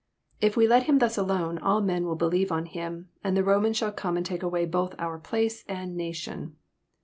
48 If we let him thns alone, all men will believe on him : and the Romans shall come and take awaj both our place and nation.